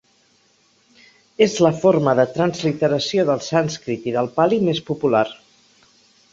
És la forma de transliteració del sànscrit i del pali més popular.